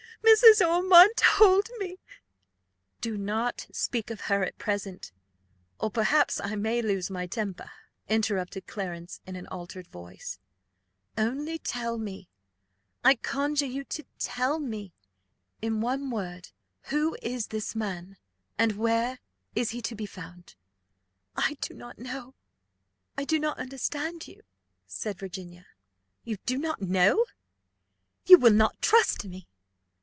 Mrs. Ormond told me " "Do not speak of her at present, or perhaps I may lose my temper," interrupted Clarence in an altered voice: "only tell me I conjure you, tell me in one word, who is this man and where is he to be found?" "I do not know. I do not understand you," said Virginia. "You do not know! You will not trust me.